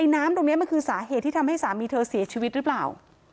น้ำตรงนี้มันคือสาเหตุที่ทำให้สามีเธอเสียชีวิตหรือเปล่า